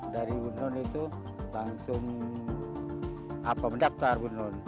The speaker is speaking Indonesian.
dari bunuhun itu langsung mendaftar bunuhun